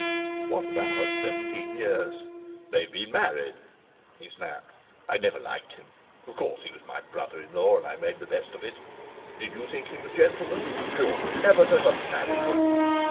"What about seventeen years?" "They've been married," he snapped. "I never liked him. Of course he was my brother in law, and I made the best of it. Did you think him a gentleman? She ought never to have married him."